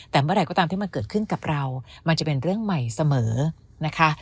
แต่เมื่อไหร่ก็ตามที่มันเกิดขึ้นกับเรามันจะเป็นเรื่องใหม่เสมอนะคะ